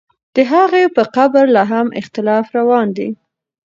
د هغې په قبر لا هم اختلاف روان دی.